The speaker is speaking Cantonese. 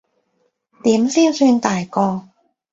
點先算大個？